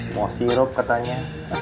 mau sirup katanya